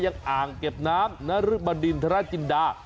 อ่างเก็บน้ำนรึบดินทรจินดา